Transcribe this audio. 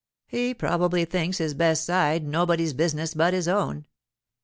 'He probably thinks his best side nobody's business but his own.